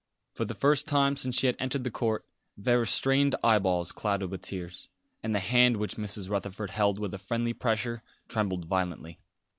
For the first time since she had entered the court, Vera's strained eyeballs clouded with tears, and the hand which Mrs. Rutherford held with a friendly pressure trembled violently.